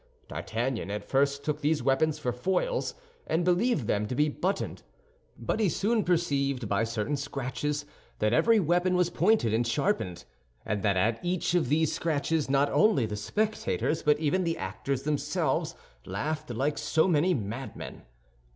D'Artagnan at first took these weapons for foils, and believed them to be buttoned; but he soon perceived by certain scratches that every weapon was pointed and sharpened, and that at each of these scratches not only the spectators, but even the actors themselves, laughed like so many madmen.